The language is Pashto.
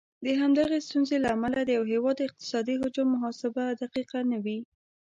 د همدغه ستونزې له امله د یو هیواد اقتصادي حجم محاسبه دقیقه نه وي.